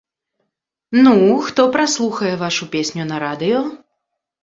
Ну, хто праслухае вашу песню на радыё?